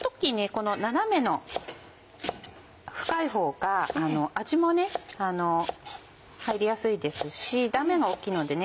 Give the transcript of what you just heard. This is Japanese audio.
この斜めの深い方が味も入りやすいですし断面が大っきいのでね